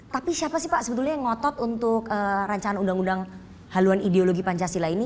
tapi siapa sih pak sebetulnya yang ngotot untuk rancangan undang undang haluan ideologi pancasila ini